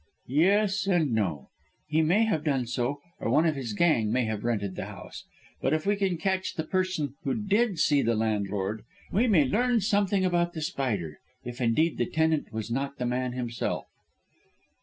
"Yes, and no; he may have done so, or one of his gang may have rented the house. But if we can catch the person who did see the landlord, we may learn something about The Spider, if indeed the tenant was not the man himself."